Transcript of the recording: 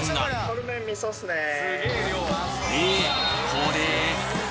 これ！？